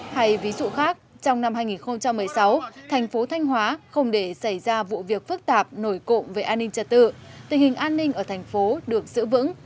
hay ví dụ khác trong năm hai nghìn một mươi sáu thành phố thanh hóa không để xảy ra vụ việc phức tạp nổi cộng về an ninh trật tự tình hình an ninh ở thành phố được giữ vững